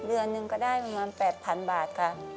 เดือนหนึ่งก็ได้ประมาณ๘๐๐๐บาทค่ะ